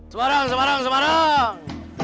semarang semarang semarang